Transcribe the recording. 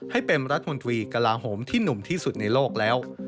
ให้เป็นรัฐมนตรีกระลาโหมที่หนุ่มที่สุดในโลกแล้ว